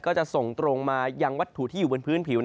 ก็จะส่งตรงมายังวัตถุที่อยู่บนพื้นผิว